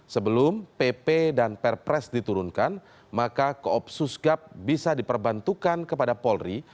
sebelum pp dan perpres diturunkan maka koopsus gap bisa diperbantukan kepada polri